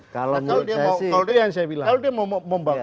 kalau dia yang saya bilang